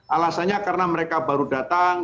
alasannya karena mereka baru datang